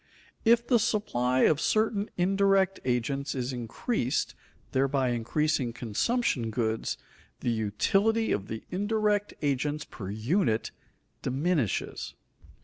If the supply of certain indirect agents is increased, thereby increasing consumption goods, the utility of the indirect agents per unit diminishes.